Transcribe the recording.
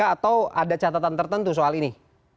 atau ada catatan tertentu soal ini